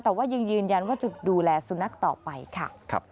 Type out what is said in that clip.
แต่ว่ายังยืนยันว่าจะดูแลสุนัขต่อไปค่ะ